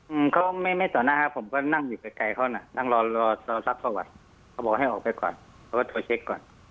อืมเขาไม่ไม่ต่อหน้าครับผมก็นั่งอยู่ไกลไกลเขาน่ะนั่งรอรอซักประวัติเขาบอกให้ออกไปก่อนเขาก็โทรเช็คก่อน